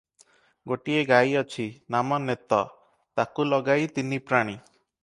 ଗୋଟିଏ ଗାଈ ଅଛି, ନାମ ନେତ, ତାକୁ ଲଗାଇ ତିନିପ୍ରାଣୀ ।